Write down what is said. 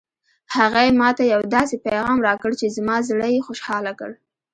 هغې ما ته یو داسې پېغام راکړ چې زما زړه یې خوشحاله کړ